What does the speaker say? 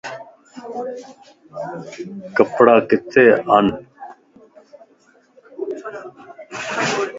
ڪپڙا ڪٿي ان